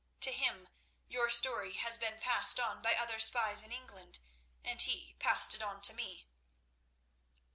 To him your story has been passed on by other spies in England, and he passed it on to me."